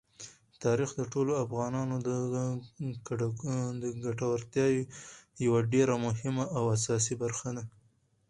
تاریخ د ټولو افغانانو د ګټورتیا یوه ډېره مهمه او اساسي برخه ده.